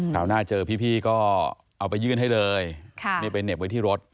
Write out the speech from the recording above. ราวหน้าเจอพี่ก็เอาไปยื่นให้เลยนี่ไปเหน็บไว้ที่รถ